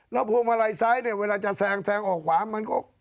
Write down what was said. แล้วพวงมาลัยซ้ายเนี่ยเวลาจะแซงแซงออกขวามันก็